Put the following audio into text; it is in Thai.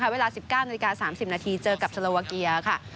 เวลา๑๙นาฬิกา๓๐นาทีเจอกับสโลวาเกียค่ะ